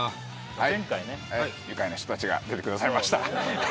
愉快な人たちが出てくださいました。